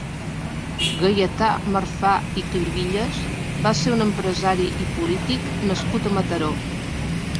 Gaietà Marfà i Clivilles va ser un empresari i polític nascut a Mataró.